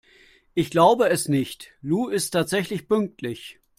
Ich glaube es nicht, Lou ist tatsächlich pünktlich!